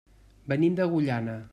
Venim d'Agullana.